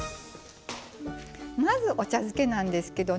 まずお茶漬けなんですけどね